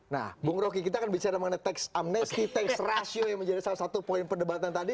nah bung roky kita akan bicara mengenai tax amnesti tax ratio yang menjadi salah satu poin perdebatan tadi